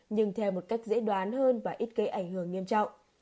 nhưng theo một cách dễ đoán hơn và ít gây ảnh hưởng nghiêm trọng